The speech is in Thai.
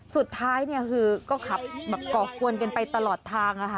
สุดท้ายก็ขับเหลือเกราะกวนกันไปตลอดทาง